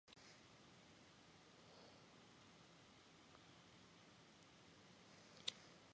失敗した自分を責めて、「わたしってダメだ」と俯いたとき、顔が下を向き過ぎて、“ダメ”な自分だけ見ちゃいけない。それは、自分に失礼だよ。